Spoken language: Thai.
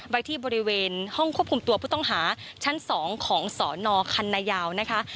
ไว้ที่บริเวณห้องควบคุมตัวผู้ต้องหาชั้น๒ของสนคันนายาวนะคะ